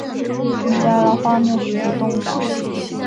增加了画面许多动感